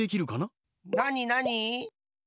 なになに？